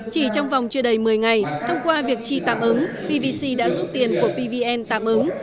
chỉ trong vòng chưa đầy một mươi ngày thông qua việc chi tạm ứng pvc đã rút tiền của pvn tạm ứng